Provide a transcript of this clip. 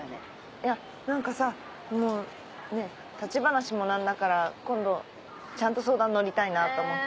いや何かさあのねぇ立ち話も何だから今度ちゃんと相談乗りたいなと思って。